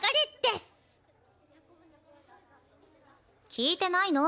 聞いてないの？